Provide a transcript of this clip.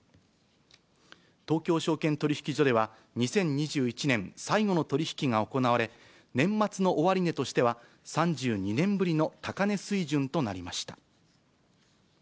東京証券取引所では、２０２１年最後の取り引きが行われ、年末の終値としては、３２年ぶりの高値水準となりました。